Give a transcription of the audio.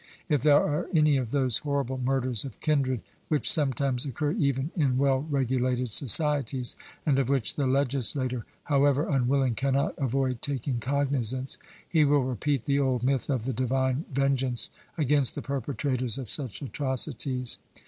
If there are any of those horrible murders of kindred which sometimes occur even in well regulated societies, and of which the legislator, however unwilling, cannot avoid taking cognizance, he will repeat the old myth of the divine vengeance against the perpetrators of such atrocities.